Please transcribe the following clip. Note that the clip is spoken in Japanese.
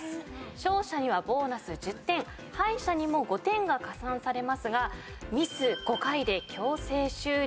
勝者にはボーナス１０点敗者にも５点が加算されますがミス５回で強制終了。